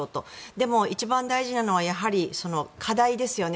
でも、一番大事なのはやはり課題ですよね。